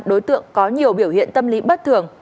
đối tượng có nhiều biểu hiện tâm lý bất thường